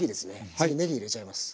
次ねぎ入れちゃいます。